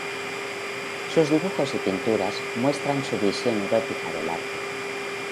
Sus dibujos y pinturas muestran su visión erótica del arte.